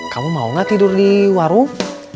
kamu mau gak tidur di warung